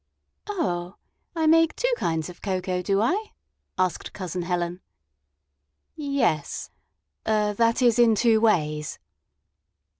"Oh, I make two kinds of cocoa, do I?" asked Cousin Helen. "Yes er that is, in two ways."